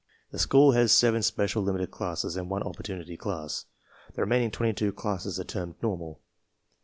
This school has seven special limited classes and one opportunity class. The remaining 22 classes are termed, "normal."